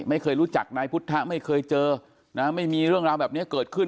ไม่เคยรู้จักนายพุทธะไม่เคยเจอนะไม่มีเรื่องราวแบบนี้เกิดขึ้น